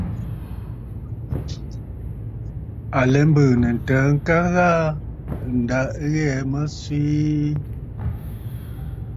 À lɛ mbɨ̀ɨ̀nə̀ ntəə ŋka ghaa, ǹda ɨ ghɛɛ̀ mə swee.